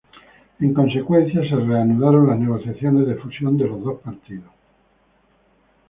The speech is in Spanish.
En consecuencia, se reanudaron las negociaciones de fusión de los dos partidos.